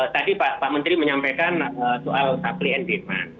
tadi pak menteri menyampaikan soal supply and devement